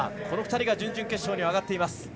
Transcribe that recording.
この２人が準々決勝に上がっています。